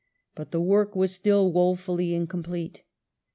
But the work was still woefully incomplete.